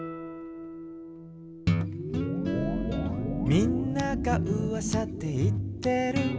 「みんながうわさでいってる」